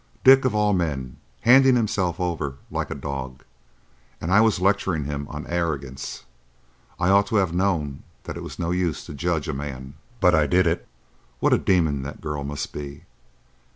"Dick, of all men, handing himself over like a dog! And I was lecturing him on arrogance! I ought to have known that it was no use to judge a man. But I did it. What a demon that girl must be!